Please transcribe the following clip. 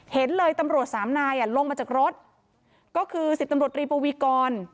เห็นเลยตำรวจสามนายลงมาจากรถก็คือสิบตำรวจรีปวีกร